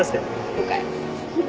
了解。